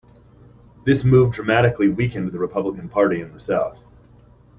This move dramatically weakened the Republican Party in the South.